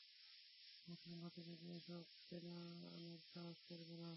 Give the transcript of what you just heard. মুসলিম ভ্রাতৃত্বকে এসবে টেনে আনার সাহস করবে না!